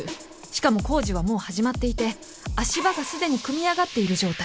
しかも工事はもう始まっていて足場が既に組み上がっている状態。